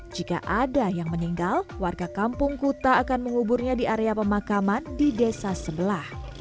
jika ada yang meninggal warga kampung kuta akan menguburnya di area pemakaman di desa sebelah